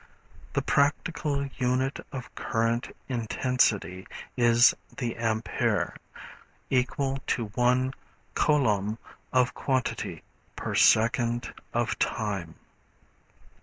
The practical unit of current intensity is the ampere, equal to one coulomb of quantity per second of time.